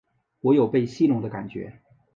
我有被戏弄的感觉